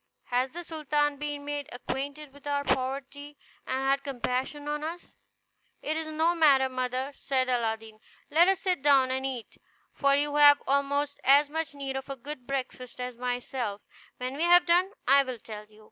Has the sultan been made acquainted with our poverty, and had compassion on us?" "It is no matter, mother," said Aladdin, "let us sit down and eat; for you have almost as much need of a good breakfast as myself; when we have done, I will tell you."